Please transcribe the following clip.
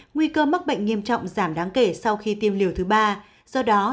nguy cơ mắc bệnh nghiêm trọng giảm đáng kể sau khi tiêm liều thứ ba do đó